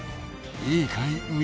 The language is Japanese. いいかい？